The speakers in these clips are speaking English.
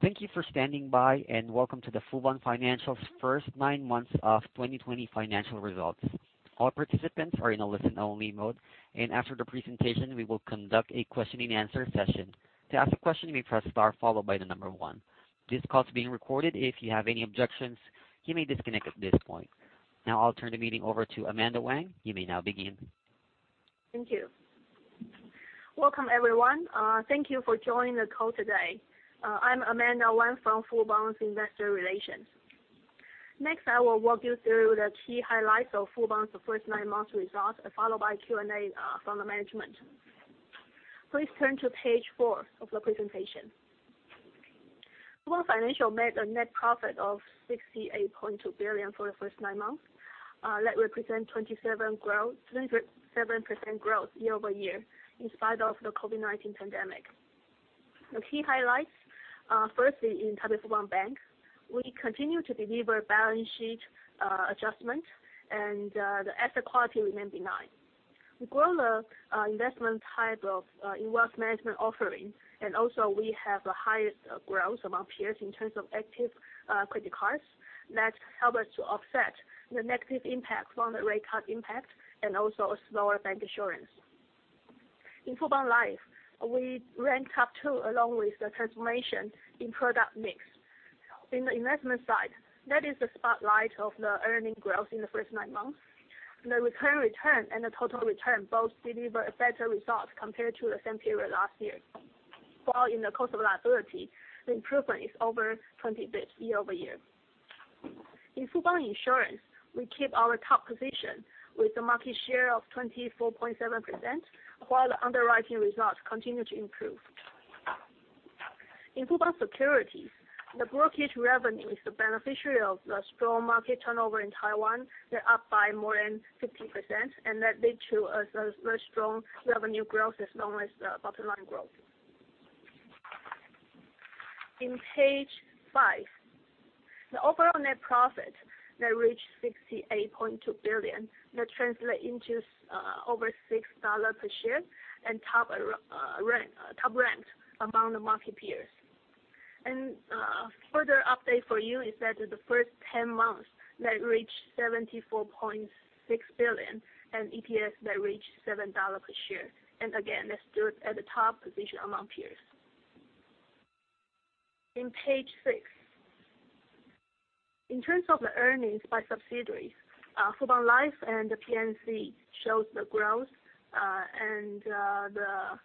Thank you for standing by, welcome to the Fubon Financial's first nine months of 2020 financial results. All participants are in a listen-only mode, after the presentation, we will conduct a question-and-answer session. To ask a question, you may press star followed by the number 1. This call is being recorded. If you have any objections, you may disconnect at this point. I'll turn the meeting over to Amanda Wang. You may now begin. Thank you. Welcome everyone. Thank you for joining the call today. I'm Amanda Wang from Fubon's Investor Relations. I will walk you through the key highlights of Fubon's first nine months results, followed by Q&A from the management. Please turn to page four of the presentation. Fubon Financial made a net profit of 68.2 billion for the first nine months. That represents 27% growth year-over-year in spite of the COVID-19 pandemic. The key highlights, firstly, in Taipei Fubon Bank, we continue to deliver balance sheet adjustment, and the asset quality remains benign. We grow the investment type of investment management offerings, and also we have the highest growth among peers in terms of active credit cards that help us to offset the negative impact from the rate cut impact, and also a slower bank insurance. In Fubon Life, we rank top 2 along with the transformation in product mix. In the investment side, that is the spotlight of the earning growth in the first nine months. The return and the total return both deliver a better result compared to the same period last year. While in the cost of liability, the improvement is over 20 basis points year-over-year. In Fubon Insurance, we keep our top position with a market share of 24.7%, while the underwriting results continue to improve. In Fubon Securities, the brokerage revenue is the beneficiary of the strong market turnover in Taiwan. They're up by more than 15%, that leads to a very strong revenue growth as well as the bottom line growth. In page five, the overall net profit that reached 68.2 billion, that translate into over 6 dollar per share and top ranked among the market peers. A further update for you is that the first 10 months that reached 74.6 billion. EPS that reached 7 dollars per share. Again, that stood at the top position among peers. In page six, in terms of the earnings by subsidiaries, Fubon Life and the P&C shows the growth, the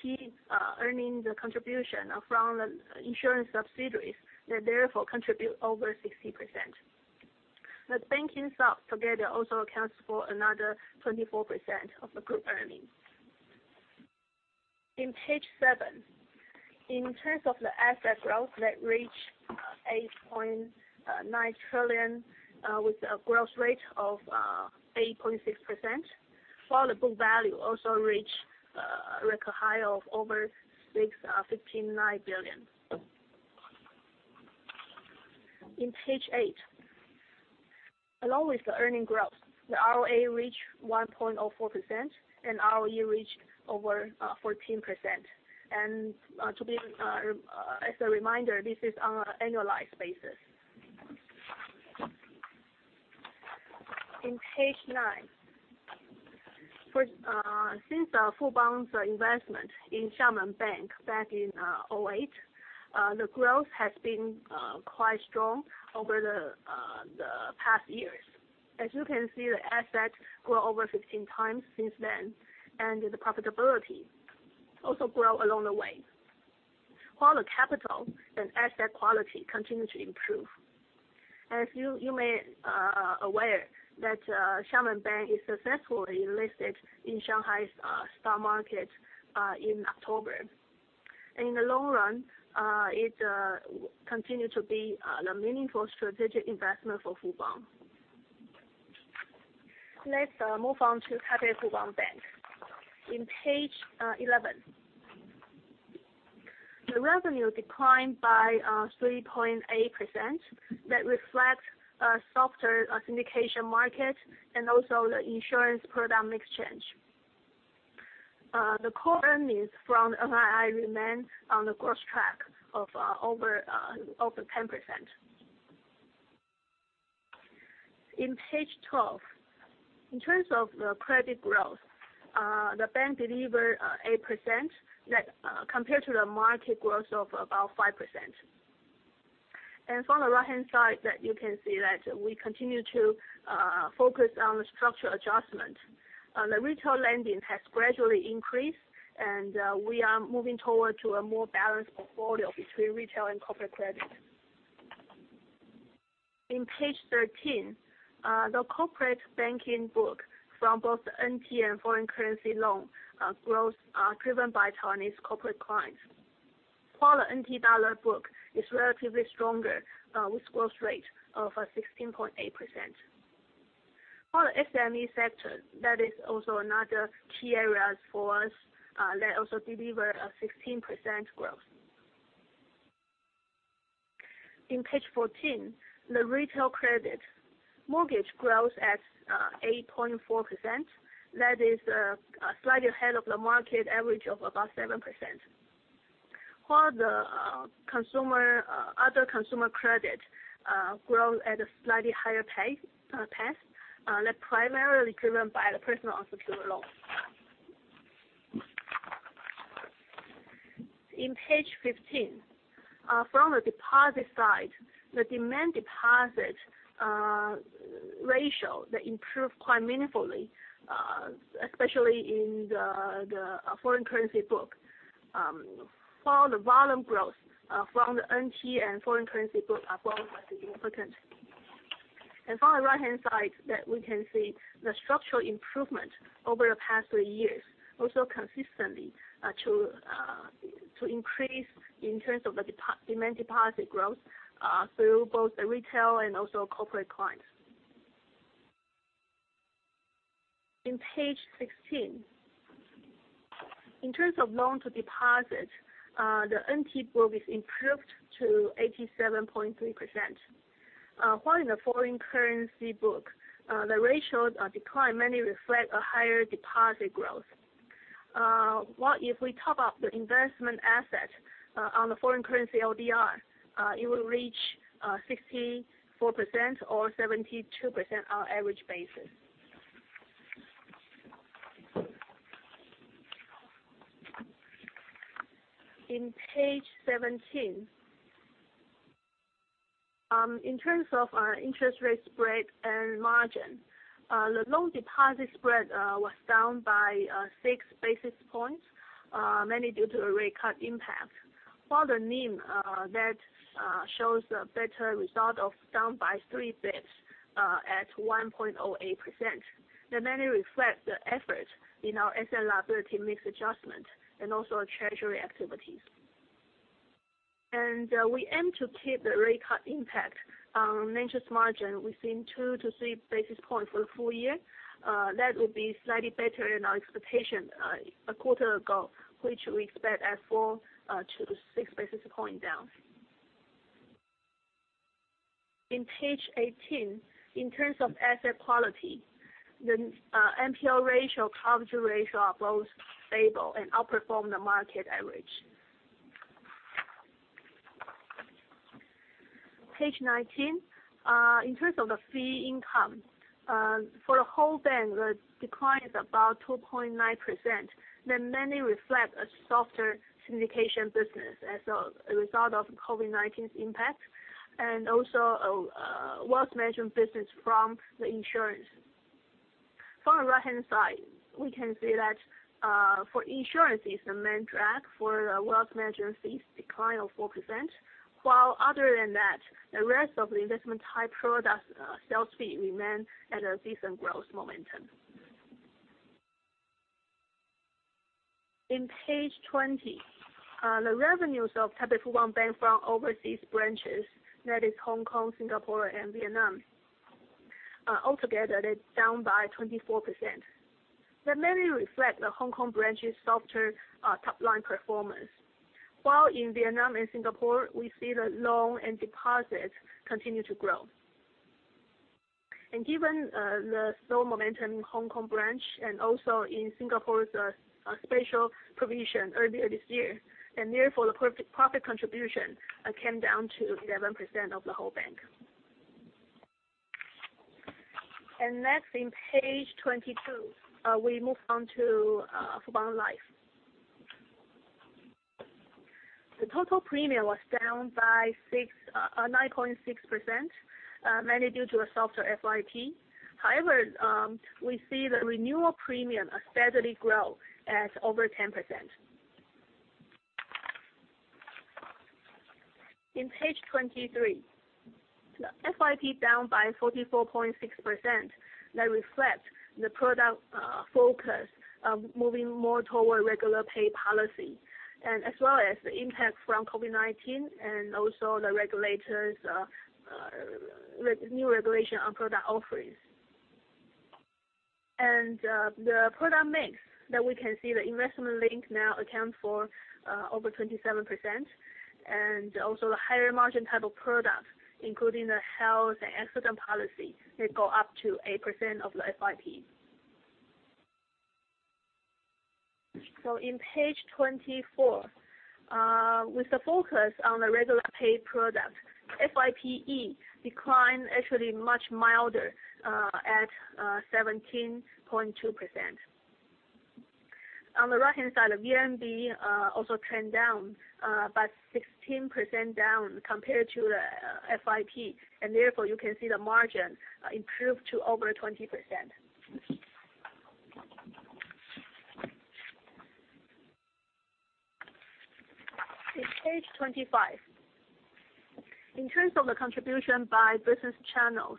key earnings contribution from the insurance subsidiaries that therefore contribute over 60%. The banking subs together also accounts for another 24% of the group earnings. In page seven, in terms of the asset growth that reached 8.9 trillion, with a growth rate of 8.6%, while the book value also reached a record high of over TWD 16.9 billion. In page eight, along with the earning growth, the ROA reached 1.04% and ROE reached over 14%. As a reminder, this is on an annualized basis. In page nine, since Fubon's investment in Xiamen Bank back in 2008, the growth has been quite strong over the past years. As you can see, the assets grow over 15 times since then, and the profitability also grow along the way, while the capital and asset quality continue to improve. As you may aware that Xiamen Bank is successfully listed in Shanghai's stock market in October, and in the long run, it continue to be a meaningful strategic investment for Fubon. Let's move on to Taipei Fubon Bank. In page 11, the revenue declined by 3.8%. That reflects a softer syndication market and also the insurance product mix change. The core earnings from NII remain on the growth track of over 10%. In page 12, in terms of the credit growth, the bank delivered 8% compared to the market growth of about 5%. From the right-hand side, you can see that we continue to focus on the structural adjustment. The retail lending has gradually increased, and we are moving toward to a more balanced portfolio between retail and corporate credit. In page 13, the corporate banking book from both NT and foreign currency loan growth are driven by Taiwanese corporate clients, while the NT dollar book is relatively stronger with growth rate of 16.8%. For the SME sector, that is also another key area for us that also deliver a 16% growth. In page 14, the retail credit mortgage grows at 8.4%. That is slightly ahead of the market average of about 7%. While the other consumer credit grows at a slightly higher pace, that primarily driven by the personal consumer loans. In page 15, from the deposit side, the demand deposit ratio improved quite meaningfully, especially in the foreign currency book. While the volume growth from the NT and foreign currency book are both quite significant. From the right-hand side that we can see the structural improvement over the past three years also consistently to increase in terms of the demand deposit growth, through both the retail and also corporate clients. In page 16. In terms of loan to deposit, the NT book is improved to 87.3%, while in the foreign currency book, the ratios are declined, mainly reflect a higher deposit growth. While if we top up the investment asset on the foreign currency LDR, it will reach 64% or 72% on average basis. In page 17. In terms of our interest rate spread and margin, the loan deposit spread was down by six basis points, mainly due to a rate cut impact. While the NIM that shows a better result of down by three basis points at 1.08%, that mainly reflects the effort in our asset liability mix adjustment and also our treasury activities. We aim to keep the rate cut impact on net interest margin within two to three basis points for the full year. That will be slightly better than our expectation a quarter ago, which we expect as four to six basis points down. In page 18, in terms of asset quality, the NPL ratio, coverage ratio are both stable and outperform the market average. Page 19. In terms of the fee income, for the whole bank, the decline is about 2.9%, that mainly reflect a softer syndication business as a result of COVID-19's impact, and also a wealth management business from the insurance. From the right-hand side, we can see that, for insurance is the main drag for the wealth management fees decline of 4%, while other than that, the rest of the investment type product sales fee remain at a decent growth momentum. In page 20, the revenues of Taipei Fubon Bank from overseas branches, that is Hong Kong, Singapore, and Vietnam, altogether, they're down by 24%. That mainly reflect the Hong Kong branch's softer top-line performance. While in Vietnam and Singapore, we see the loan and deposits continue to grow. Given the slow momentum in Hong Kong branch and also in Singapore's special provision earlier this year, therefore the profit contribution came down to 11% of the whole bank. Next in page 22, we move on to Fubon Life. The total premium was down by 9.6%, mainly due to a softer FYP. However, we see the renewal premium steadily grow at over 10%. In page 23, the FYP down by 44.6%, that reflects the product focus of moving more toward regular pay policy, as well as the impact from COVID-19 and also the new regulation on product offerings. The product mix that we can see, the investment link now account for over 27%, and also the higher margin type of product, including the health and accident policy, they go up to 8% of the FYP. With the focus on the regular pay product, FYPE declined actually much milder at 17.2%. On the right-hand side, the VNB also trend down by 16% down compared to the FYP, therefore you can see the margin improved to over 20%. In page 25. In terms of the contribution by business channels,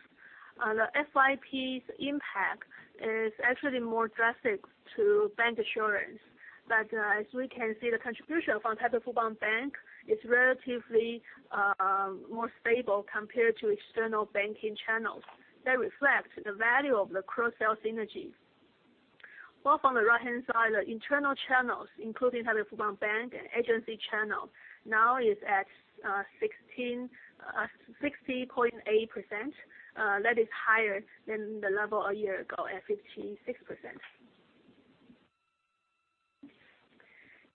the FYP's impact is actually more drastic to bancassurance, but as we can see, the contribution from Taipei Fubon Bank is relatively more stable compared to external banking channels. That reflects the value of the cross-sell synergy. Well, from the right-hand side, the internal channels, including Fubon Bank and agency channel, now is at 60.8%. That is higher than the level a year ago at 56%.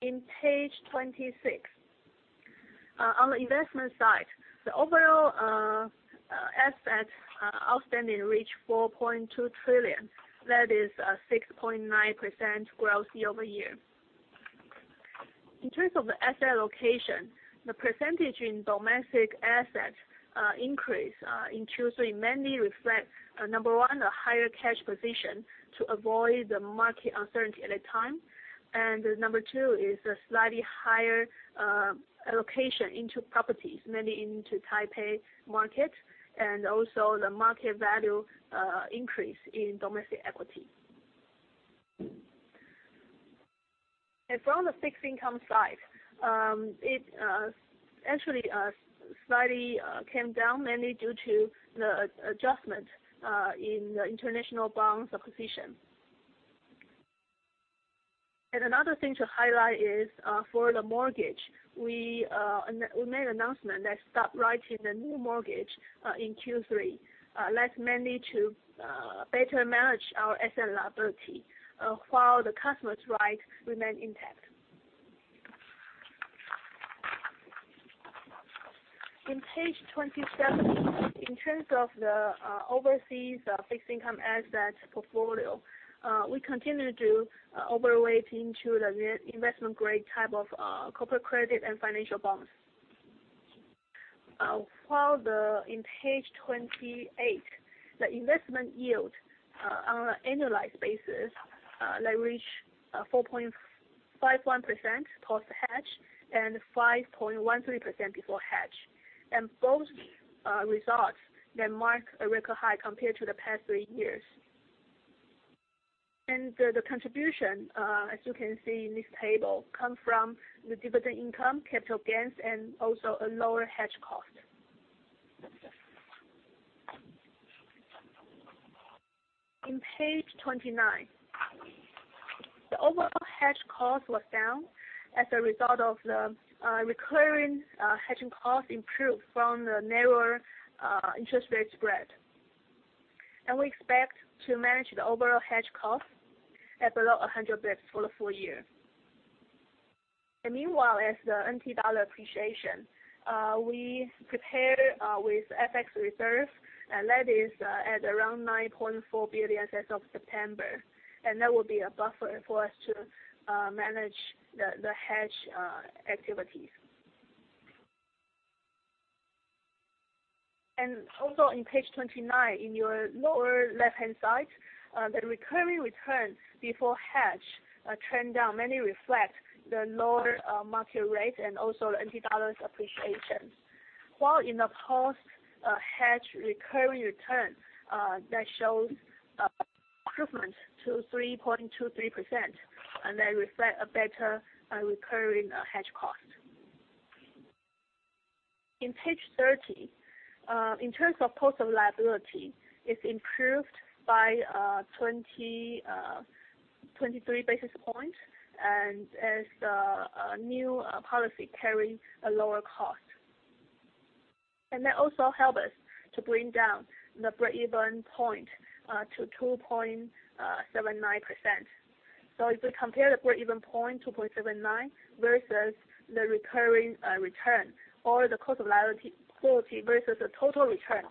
In page 26, on the investment side, the overall assets outstanding reached 4.2 trillion. That is a 6.9% growth year-over-year. In terms of the asset allocation, the percentage in domestic assets increased in Q3, mainly reflects, number one, a higher cash position to avoid the market uncertainty at that time. Number two is the slightly higher allocation into properties, mainly into Taipei market, and also the market value increase in domestic equity. From the fixed income side, it actually slightly came down mainly due to the adjustment in the international bonds acquisition. Another thing to highlight is for the mortgage. We made an announcement that stopped writing the new mortgage in Q3. That's mainly to better manage our asset liability, while the customers' right remain intact. In page 27, in terms of the overseas fixed income assets portfolio, we continue to overweight into the investment-grade type of corporate credit and financial bonds. While in page 28, the investment yield on an annualized basis, that reached 4.51% post-hedge, and 5.13% before hedge. Both results mark a record high compared to the past three years. The contribution, as you can see in this table, comes from the dividend income, capital gains, and also a lower hedge cost. On page 29, the overall hedge cost was down as a result of the recurring hedging cost improved from the narrower interest rate spread. We expect to manage the overall hedge cost at below 100 basis points for the full year. Meanwhile, as the NT dollar appreciation, we prepare with FX reserve, that is at around 9.4 billion as of September. That will be a buffer for us to manage the hedge activities. Also on page 29, in your lower left-hand side, the recurring return before hedge trend down mainly reflects the lower market rate and also the NT dollar's appreciation, while in the post-hedge recurring return that shows improvement to 3.23%, that reflects a better recurring hedge cost. On page 30, in terms of cost of liability, it improved by 23 basis points as the new policy carries a lower cost. That also help us to bring down the breakeven point to 2.79%. If you compare the breakeven point, 2.79, versus the recurring return or the cost of quality versus the total return,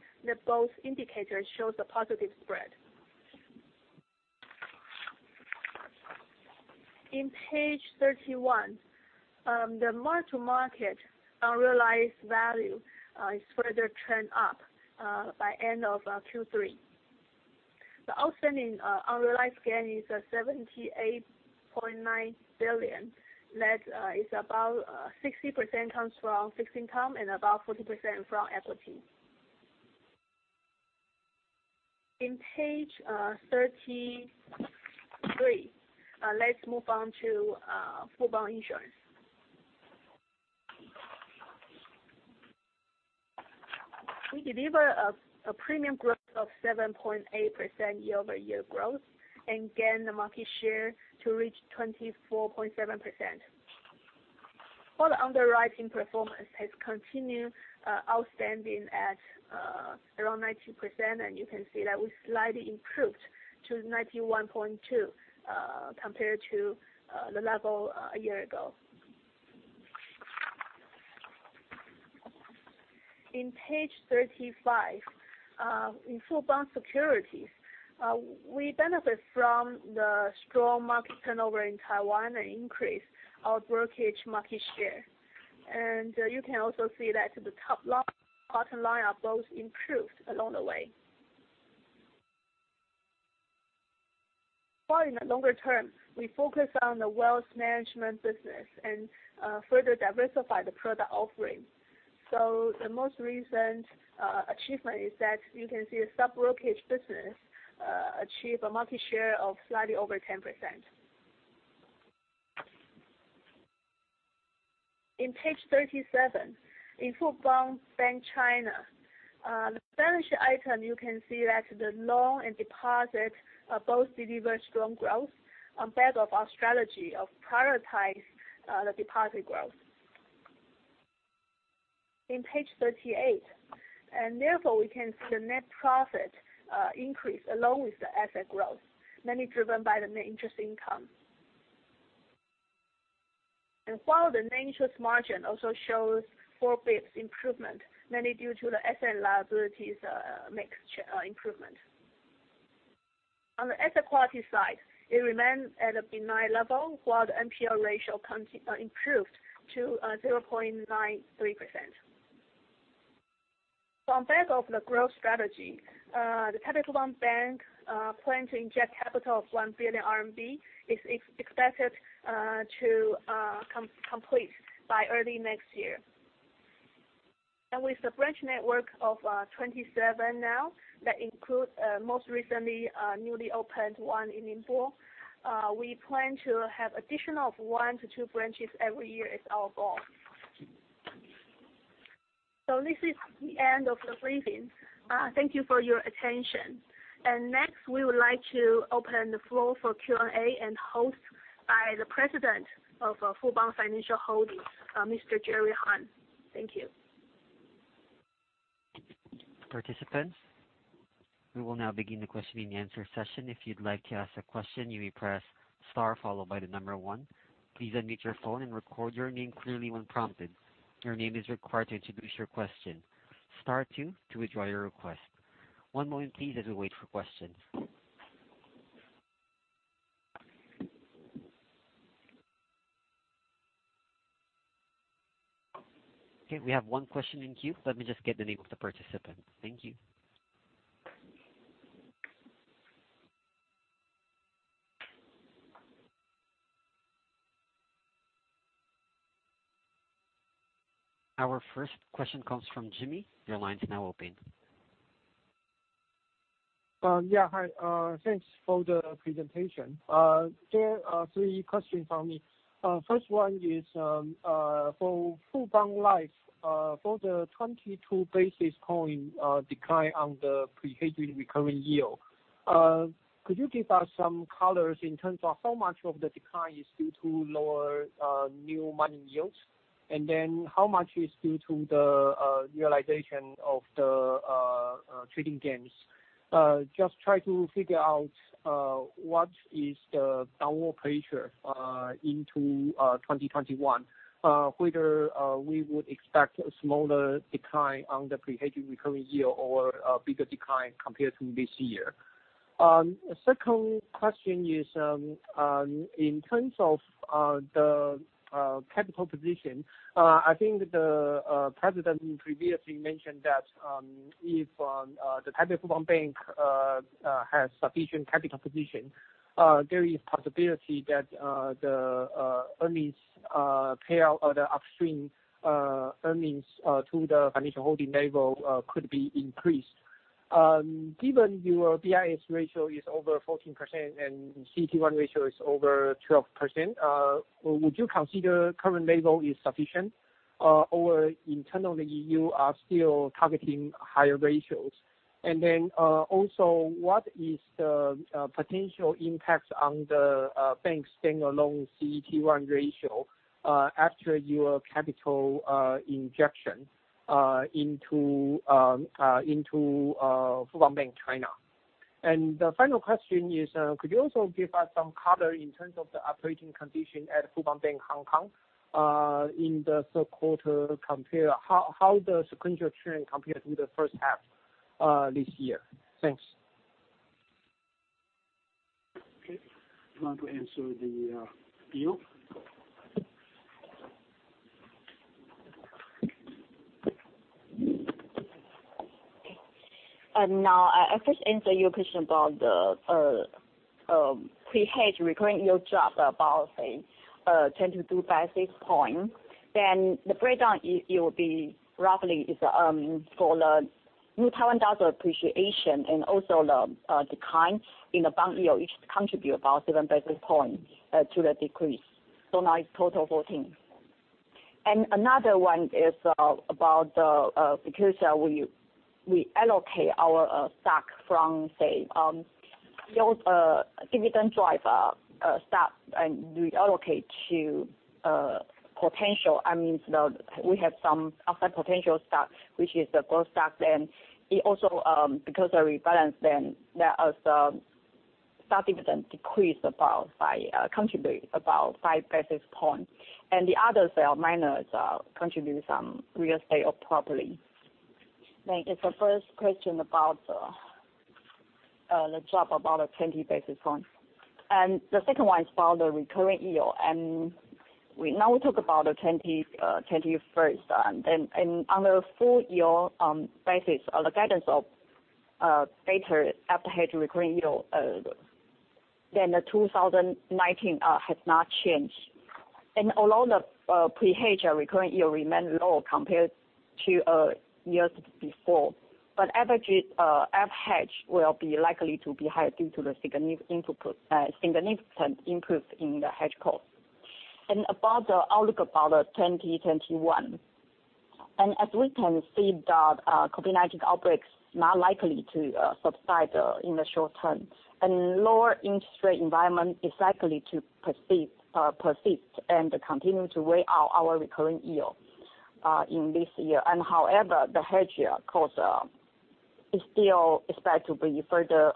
both indicators show a positive spread. On page 31, the mark-to-market unrealized value further trend up by end of Q3. The outstanding unrealized gain is 78.9 billion. That is about 60% comes from fixed income and about 40% from equity. On page 33, let's move on to Fubon Insurance. We deliver a premium growth of 7.8% year-over-year growth and gain the market share to reach 24.7%, while the underwriting performance has continued outstanding at around 90%, you can see that we slightly improved to 91.2% compared to the level a year ago. On page 35, in Fubon Securities, we benefit from the strong market turnover in Taiwan and increase our brokerage market share. You can also see that the top line and bottom line are both improved along the way. While in the longer term, we focus on the wealth management business and further diversify the product offering. The most recent achievement is that you can see the sub-brokerage business achieve a market share of slightly over 10%. In page 37, in Fubon Bank (China), the balance sheet item, you can see that the loan and deposit both deliver strong growth on back of our strategy of prioritize the deposit growth. In page 38, therefore we can see the net profit increase along with the asset growth, mainly driven by the net interest income. While the net interest margin also shows 4 basis points improvement, mainly due to the asset liabilities mixture improvement. On the asset quality side, it remains at a benign level, while the NPL ratio improved to 0.93%. On back of the growth strategy, the Taipei Fubon Bank plan to inject capital of 1 billion RMB, is expected to complete by early next year. With the branch network of 27 now, that includes, most recently, newly opened one in Ningbo. We plan to have additional one to two branches every year as our goal. This is the end of the briefing. Thank you for your attention. Next, we would like to open the floor for Q&A and host by the President of Fubon Financial Holdings, Mr. Jerry Harn. Thank you. Participants, we will now begin the question and answer session. If you'd like to ask a question, you may press star followed by the number one. Please unmute your phone and record your name clearly when prompted. Your name is required to introduce your question. Star two to withdraw your request. One moment please, as we wait for questions. Okay, we have one question in queue. Let me just get the name of the participant. Thank you. Our first question comes from Jimmy. Your line's now open. Yeah, hi. Thanks for the presentation. There are three questions from me. First one is, for Fubon Life, for the 22 basis point decline on the pre-hedged recurring yield, could you give us some colors in terms of how much of the decline is due to lower new money yields? How much is due to the realization of the trading gains? Just try to figure what is the downward pressure into 2021, whether we would expect a smaller decline on the pre-hedged recurring yield or a bigger decline compared to this year. Second question is, in terms of the capital position, I think the President previously mentioned that if the Taipei Fubon Bank has sufficient capital position, there is possibility that the earnings payout or the upstream earnings to the financial holding level could be increased. Given your BIS ratio is over 14% and CET1 ratio is over 12%, would you consider current level is sufficient or internally you are still targeting higher ratios? Also, what is the potential impact on the bank stand-alone CET1 ratio after your capital injection into Fubon Bank (China)? The final question is, could you also give us some color in terms of the operating condition at Fubon Bank (Hong Kong) in the third quarter? How does sequential trend compare to the first half this year? Thanks. Okay. You want to answer the yield? I first answer your question about the pre-hedge recurring yield drop about 10 to two basis points. The breakdown will be roughly is for the New Taiwan dollar appreciation and also the decline in the bond yield, each contribute about seven basis points to the decrease. Now it's total 14. Another one is about because we allocate our stock from, say, dividend drive stock, and we allocate to potential, we have some upside potential stock, which is the growth stock. It also, because we balance, the stock dividend decrease contribute about five basis points. The others are minors, contribute some real estate or property. It's the first question about the drop about 20 basis points. The second one is about the recurring yield. Now we talk about the 21st. Under full year basis or the guidance of better after-hedged recurring yield than 2019, has not changed. Although the pre-hedge recurring yield remain low compared To years before. Average FX hedge will be likely to be high due to the significant increase in the hedge cost. About the outlook about 2021, as we can see the COVID-19 outbreak's not likely to subside in the short term, lower interest rate environment is likely to persist and continue to weigh on our recurring yield in this year. However, the hedge year cost is still expected to be further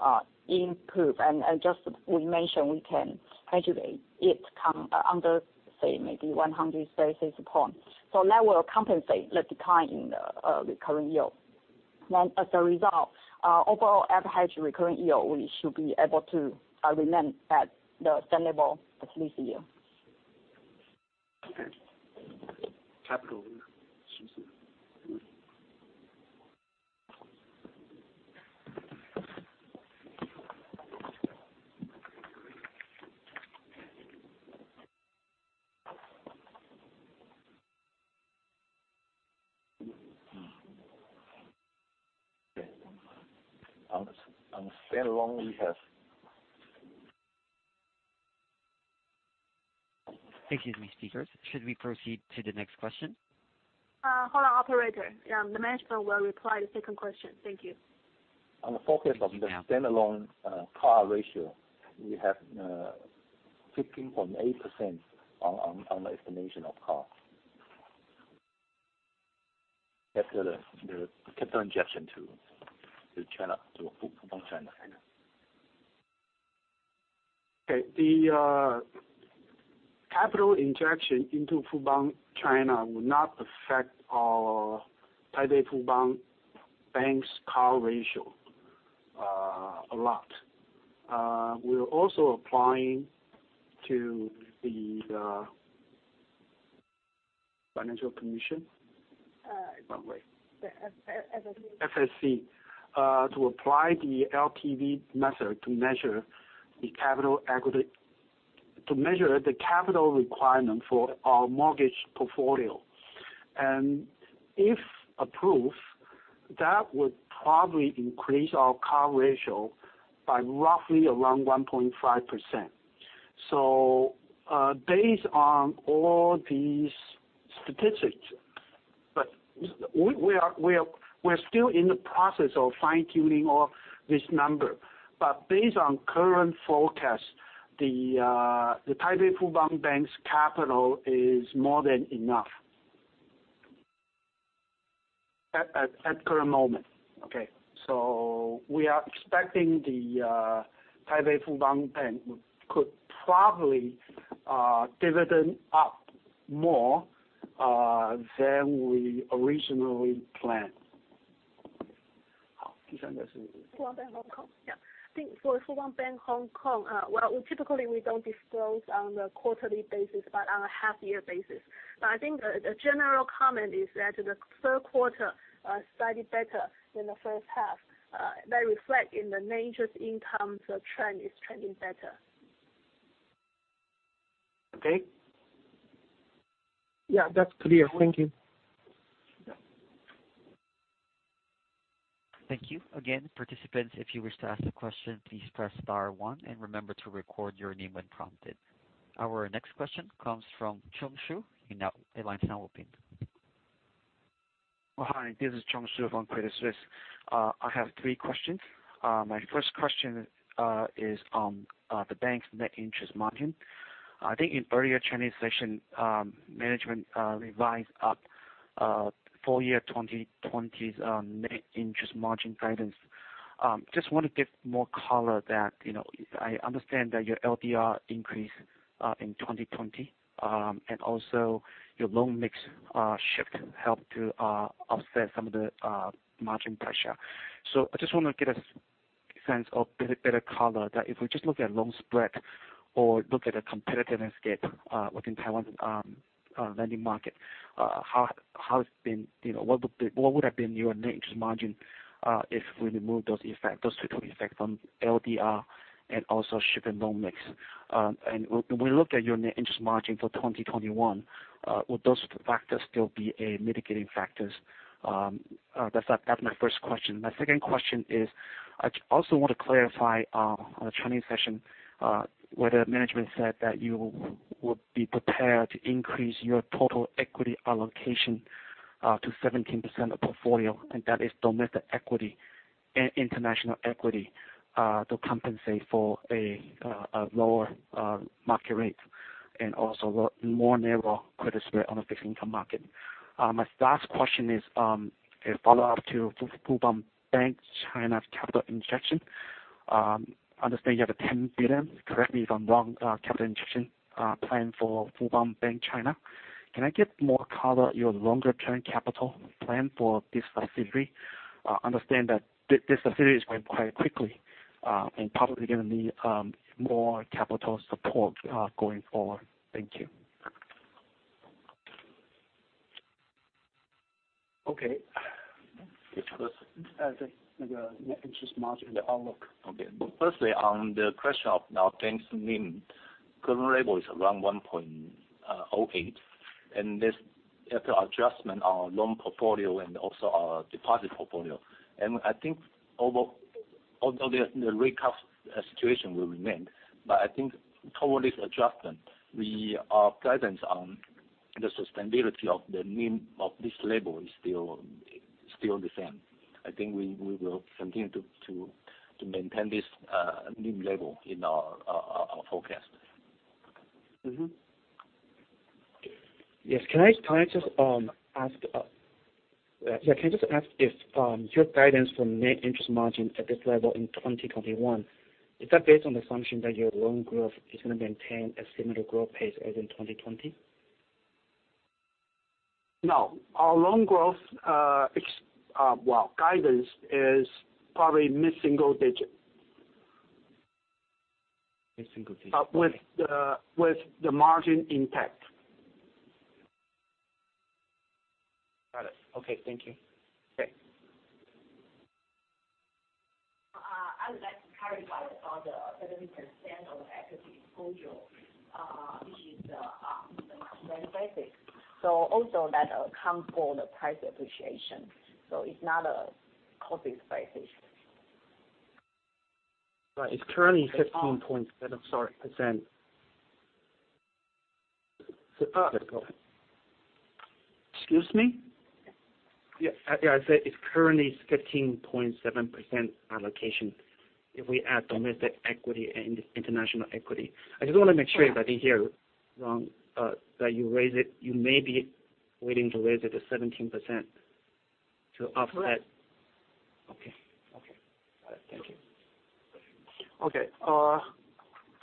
improved, just we mentioned we can hedge away it come under, say, maybe 100 basis points. That will compensate the decline in the recurring yield. As a result, overall average recurring yield, we should be able to remain at the same level as this year. Capital. On the stand alone, we have Excuse me, speakers. Should we proceed to the next question? Hold on, operator. Yeah, the management will reply the second question. Thank you. On the focus of the standalone CAR ratio, we have 15.8% on the estimation of CAR after the capital injection to Fubon China. Okay, the capital injection into Fubon China will not affect our Taipei Fubon Bank's CAR ratio a lot. We're also applying to the Financial Commission. FSC. FSC, to apply the LTV method to measure the capital requirement for our mortgage portfolio. If approved, that would probably increase our CAR ratio by roughly around 1.5%. Based on all these statistics, we're still in the process of fine-tuning all this number. Based on current forecast, Taipei Fubon Bank's capital is more than enough at current moment. Okay, we are expecting Taipei Fubon Bank could probably dividend up more than we originally planned. Fubon Bank Hong Kong. Yeah. I think for Fubon Bank Hong Kong, well, typically we don't disclose on the quarterly basis, but on a half-year basis. I think the general comment is that the third quarter slightly better than the first half, that reflect in the net income. The trend is trending better. Okay. Yeah, that's clear. Thank you. Yeah. Thank you. Again, participants, if you wish to ask a question, please press star one and remember to record your name when prompted. Our next question comes from Chung Shu in our line now open. Hi, this is Chung Shu from Credit Suisse. I have three questions. My first question is on the bank's net interest margin. I think in earlier Chinese session, management revised up full year 2020's net interest margin guidance. Just want to get more color that I understand that your LDR increased in 2020, and also your loan mix shift helped to offset some of the margin pressure. I just want to get a sense of a bit better color, that if we just look at loan spread or look at the competitiveness gap within Taiwan's lending market, what would have been your net interest margin if we removed those effects, those two effects on LDR and also shift in loan mix? When we look at your net interest margin for 2021, will those factors still be mitigating factors? That's my first question. My second question is, I also want to clarify, on the Chinese session, whether management said that you will be prepared to increase your total equity allocation to 17% of portfolio, and that is domestic equity and international equity, to compensate for a lower market rate and also more narrow credit spread on a fixed income market. My last question is a follow-up to Fubon Bank China's capital injection. I understand you have a 10 billion, correct me if I'm wrong, capital injection plan for Fubon Bank China. Can I get more color on your longer-term capital plan for this facility? I understand that this facility is growing quite quickly, and probably going to need more capital support going forward. Thank you. Okay. Because- As a net interest margin, the outlook. Firstly, on the question of our bank's NIM, current level is around 1.08%, and this after adjustment on our loan portfolio and also our deposit portfolio. I think although the risk-off situation will remain, I think towards this adjustment, our guidance on the sustainability of the NIM of this level is still the same. I think we will continue to maintain this NIM level in our forecast. Mm-hmm. Yes. Can I just ask if your guidance for net interest margin at this level in 2021, is that based on the assumption that your loan growth is going to maintain a similar growth pace as in 2020? No. Our loan growth, well, guidance is probably mid-single digit. Mid-single digit. Okay. With the margin intact. Got it. Okay. Thank you. Okay. I would like to clarify about the 17% of equity exposure. This is the mark-to-market basis. Also that accounts for the price appreciation. It's not a costing valuation. Right. It's currently 15.7%, sorry, percent. Excuse me? Yeah, I said it's currently 15.7% allocation if we add domestic equity and international equity. I just want to make sure if I hear wrong, that you may be willing to raise it to 17% to offset- Correct. Okay. Got it. Thank you. Okay.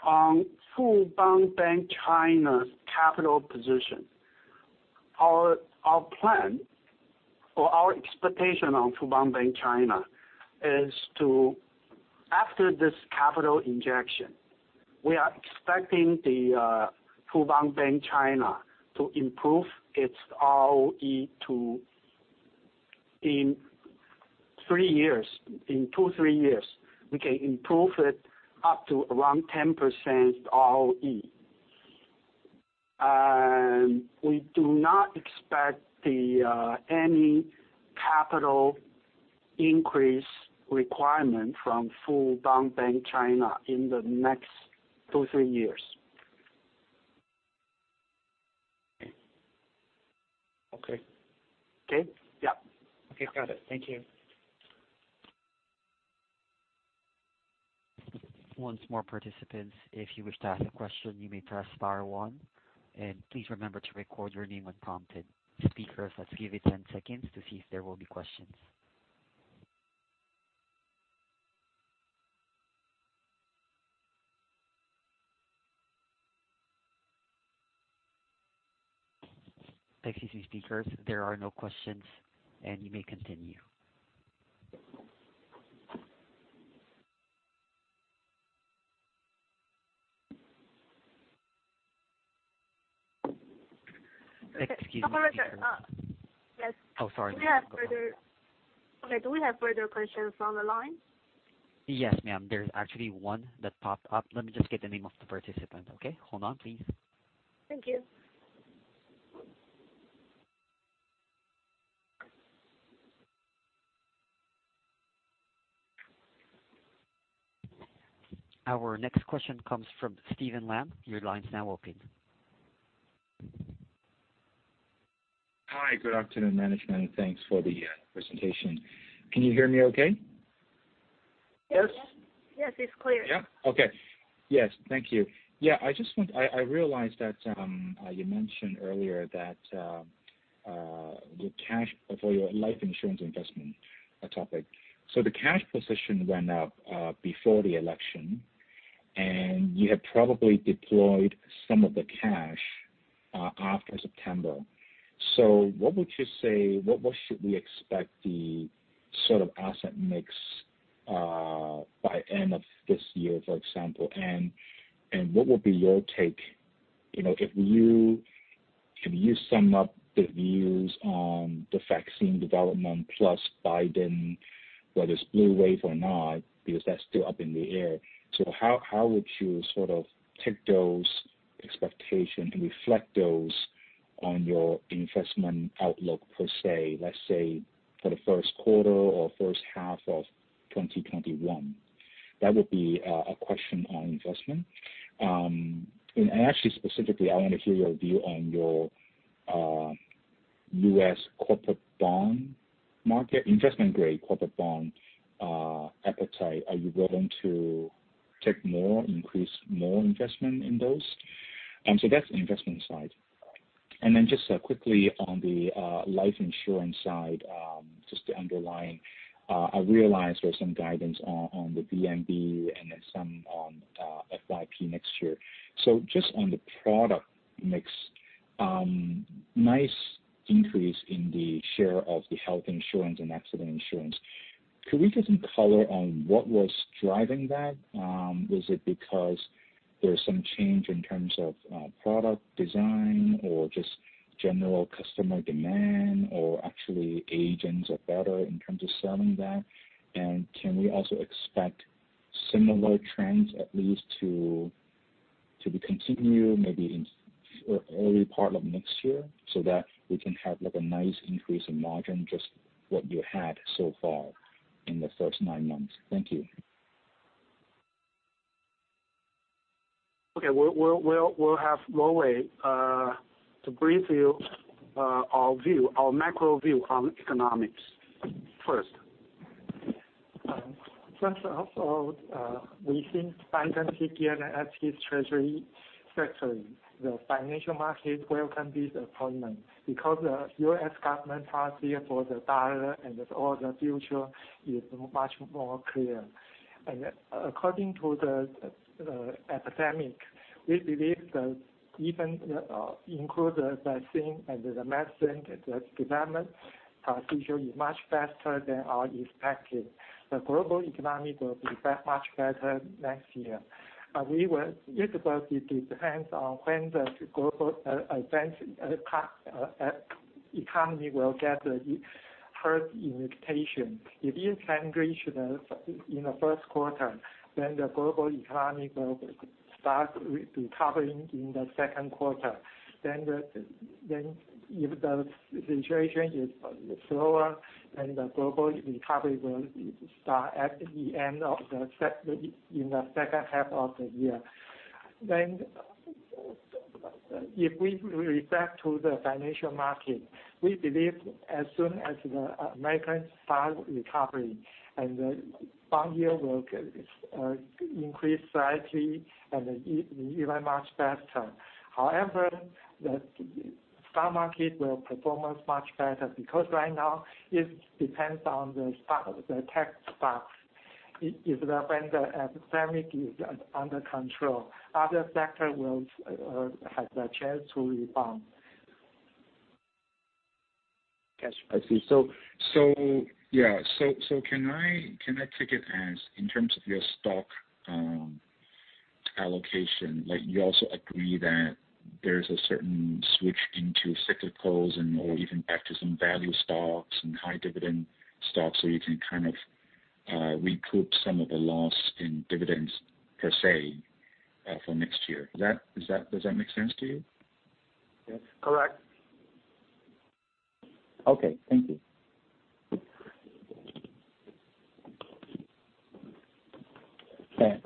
On Fubon Bank China's capital position, our plan or our expectation on Fubon Bank China is, after this capital injection, we are expecting the Fubon Bank China to improve its ROE. In two, three years, we can improve it up to around 10% ROE. We do not expect any capital increase requirement from Fubon Bank China in the next two, three years. Okay. Okay? Yeah. Okay. Got it. Thank you. Once more, participants, if you wish to ask a question, you may press star one. Please remember to record your name when prompted. Speakers, let's give it 10 seconds to see if there will be questions. Excuse me, speakers, there are no questions. You may continue. Excuse me. Operator. Sorry. Do we have further questions on the line? Yes, ma'am, there's actually one that popped up. Let me just get the name of the participant, okay? Hold on, please. Thank you. Our next question comes from Steven Lam. Your line's now open. Hi. Good afternoon, management. Thanks for the presentation. Can you hear me okay? Yes. Yes. It's clear. Okay. Yes. Thank you. I realized that you mentioned earlier your life insurance investment topic. The cash position went up before the election, and you have probably deployed some of the cash after September. What should we expect the sort of asset mix by end of this year, for example? What will be your take, if you sum up the views on the vaccine development plus Joe, whether it's blue wave or not, because that's still up in the air. How would you sort of take those expectation and reflect those on your investment outlook, per se, let's say, for the first quarter or first half of 2021? That would be a question on investment. Actually, specifically, I want to hear your view on your U.S. corporate bond market, investment-grade corporate bond appetite. Are you willing to take more, increase more investment in those? That's the investment side. Then just quickly on the life insurance side, just to underline, I realize there's some guidance on the VNB and then some on FYP next year. Just on the product mix, nice increase in the share of the health insurance and accident insurance. Could we get some color on what was driving that? Was it because there's some change in terms of product design or just general customer demand, or actually agents are better in terms of selling that? Can we also expect similar trends at least to be continued maybe in early part of next year so that we can have a nice increase in margin, just what you had so far in the first nine months? Thank you. Okay. We'll have Lowe to brief you our macro view on economics first. First of all, we think Joe picked Yellen as his Treasury Secretary. The financial market welcomed this appointment because the U.S. government policy for the dollar, and all the future is much more clear. According to the epidemic, we believe that even include the vaccine and the medicine, the development procedure is much faster than all expected. The global economy will be much better next year. We were usability depends on when the global economy will get the herd immunization. If it can reach in the first quarter, the global economy will start recovering in the second quarter. If the situation is slower, the global recovery will start at the end of the second half of the year. If we reflect to the financial market, we believe as soon as the Americans start recovering, the bond yield will increase slightly and even much faster. The stock market will perform much better, because right now it depends on the tech stocks. If when the epidemic is under control, other sectors will have the chance to rebound. Yes, I see. Can I take it as in terms of your stock allocation, you also agree that there's a certain switch into cyclicals and/or even back to some value stocks and high dividend stocks so you can kind of recoup some of the loss in dividends per se for next year. Does that make sense to you? Yes. Correct. Okay. Thank you.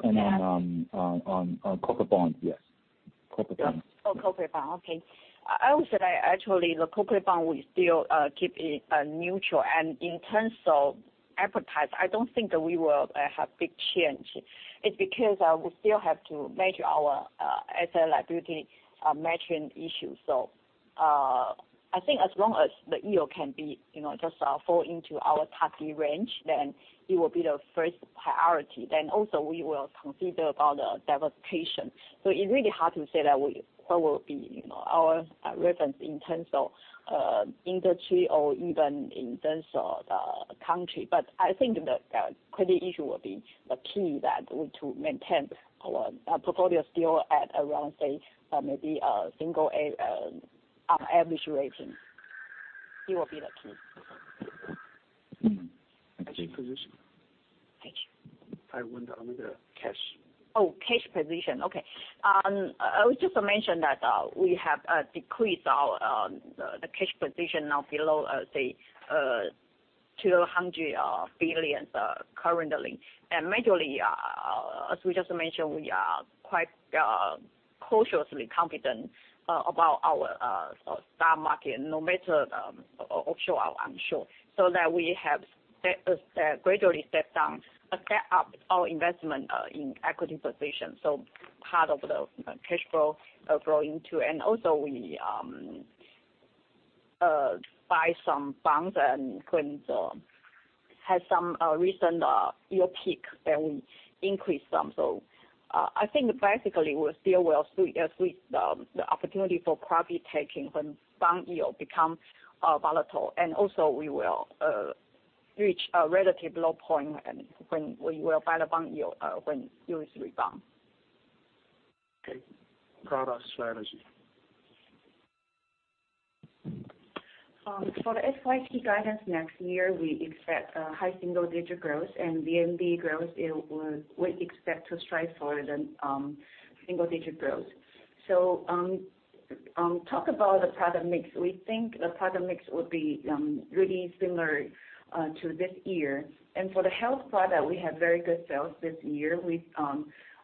On corporate bonds? Yes. Corporate bonds. Oh, corporate bond. Okay. I would say actually the corporate bond, we still keep it neutral. In terms of appetite, I don't think that we will have big change. It's because we still have to measure our asset liability matching issue. I think as long as the yield can just fall into our target range, then it will be the first priority. Also we will consider about diversification. It's really hard to say that what will be our reference in terms of industry or even in terms of country. I think the credit issue will be the key that to maintain our portfolio still at around, say maybe a single A average rating. It will be the key. Okay. Thank you. Thank you. I went under cash. Cash position. I would just mention that we have decreased the cash position now below, say, TWD 200 billion currently. Majorly as we just mentioned, we are quite cautiously confident about our stock market no matter offshore or onshore, that we have gradually step up our investment in equity position. Part of the cash flow grow into, also we buy some bonds and when has some recent yield peak, then we increase some. I think basically we still will suit the opportunity for profit-taking when bond yield becomes volatile. Also we will reach a relative low point and when we will buy bonds when yields rebound. Product strategy. For the FYP guidance next year, we expect high single-digit growth and VNB growth, we expect to strive for the single digit growth. Talk about the product mix. We think the product mix will be really similar to this year. For the health product, we have very good sales this year.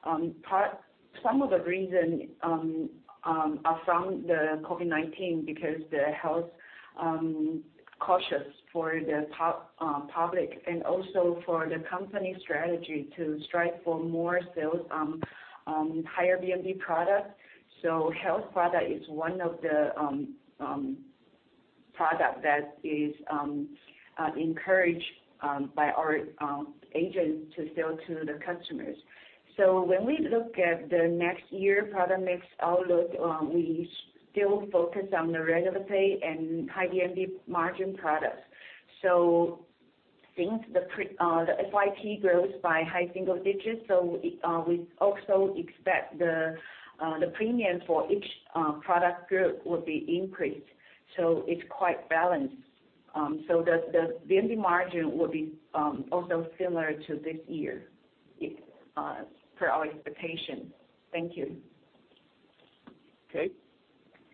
Some of the reason are from the COVID-19 because the health caution for the public, also for the company strategy to strive for more sales higher VNB product. Health product is one of the product that is encouraged by our agent to sell to the customers. When we look at the next year product mix outlook, we still focus on the regular pay and high VNB margin product. Since the FYP grows by high single digits, we also expect the premium for each product group will be increased. It's quite balanced. The margin will be also similar to this year for our expectation. Thank you. Okay.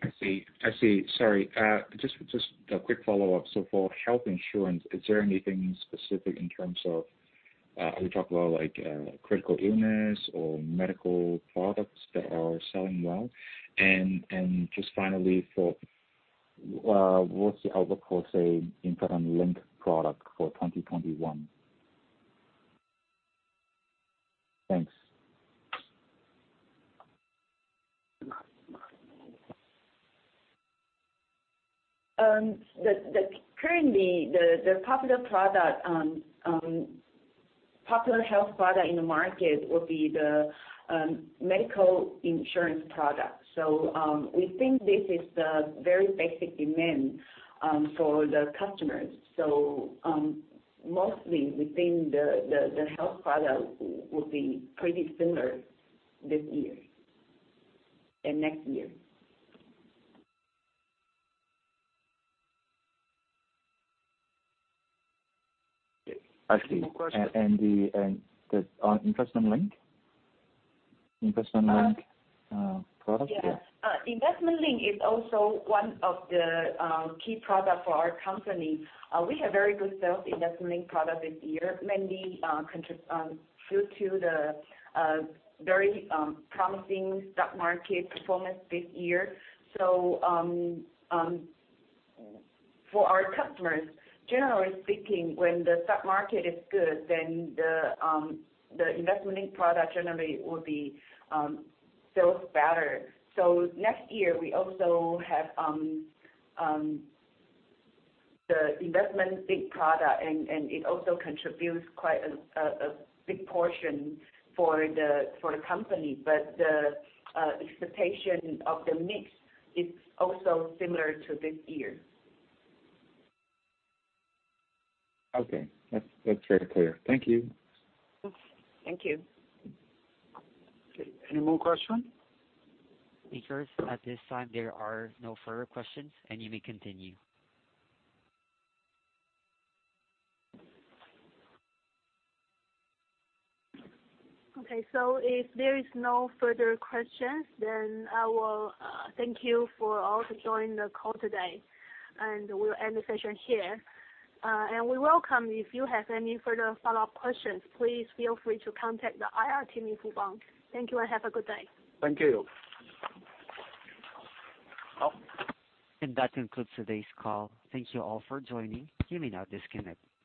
I see. Sorry, just a quick follow-up. For health insurance, is there anything specific in terms of, can you talk about critical illness or medical products that are selling well? Just finally, what's the outlook for, say, investment-linked product for 2021? Thanks. Currently, the popular health product in the market would be the medical insurance product. We think this is the very basic demand for the customers. Mostly, we think the health product will be pretty similar this year and next year. I see. The investment-linked product? Yeah. Yeah. Investment link is also one of the key products for our company. We have very good sales investment-linked product this year, mainly due to the very promising stock market performance this year. For our customers, generally speaking, when the stock market is good, the investment-linked product generally will be sold better. Next year, we also have the investment-linked product, it also contributes quite a big portion for the company. The expectation of the mix is also similar to this year. Okay. That's very clear. Thank you. Thank you. Okay, any more questions? Speakers, at this time there are no further questions and you may continue. Okay, if there is no further questions, then I will thank you for all to join the call today, and we'll end the session here. We welcome if you have any further follow-up questions, please feel free to contact the IR team in Fubon. Thank you and have a good day. Thank you. That concludes today's call. Thank you all for joining. You may now disconnect.